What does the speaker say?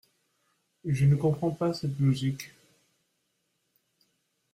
Je ne comprends pas cette logique.